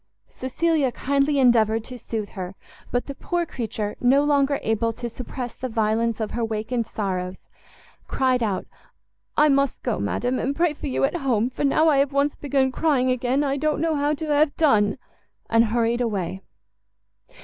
Cecilia kindly endeavoured to soothe her, but the poor creature, no longer able to suppress the violence of her awakened sorrows, cried out, "I must go, madam, and pray for you at home, for now I have once begun crying again, I don't know how to have done!" and hurried away.